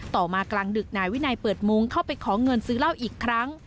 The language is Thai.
มากลางดึกนายวินัยเปิดมุ้งเข้าไปขอเงินซื้อเหล้าอีกครั้ง